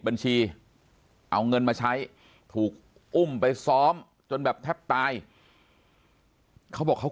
บัญชีเอาเงินมาใช้ถูกอุ้มไปซ้อมจนแบบแทบตายเขาบอกเขา